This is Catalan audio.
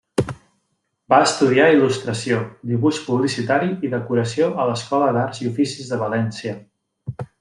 Va estudiar Il·lustració, Dibuix Publicitari i Decoració a l'Escola d'Arts i Oficis de València.